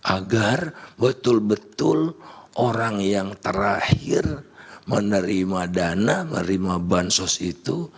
agar betul betul orang yang terakhir menerima dana menerima bansos itu